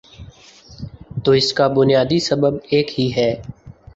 تو اس کا بنیادی سبب ایک ہی ہے۔